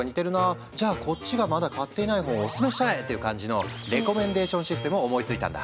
じゃあこっちがまだ買ってない本をオススメしちゃえ！っていう感じのレコメンデーションシステムを思いついたんだ。